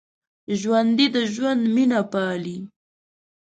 ژوندي د ژوند مینه پالي